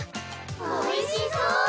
おいしそ！